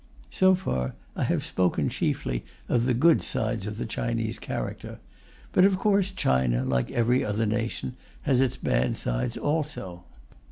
So far, I have spoken chiefly of the good sides of the Chinese character; but of course China, like every other nation, has its bad sides also.